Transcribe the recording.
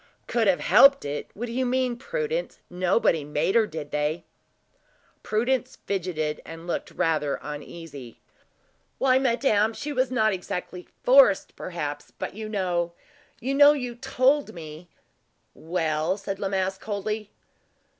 "Could have helped it? What do you mean, Prudence? Nobody made her, did they?" Prudence fidgeted, and looked rather uneasy. "Why, madame, she was not exactly forced, perhaps; but you know you know you told me " "Well?" said La Masque, coldly.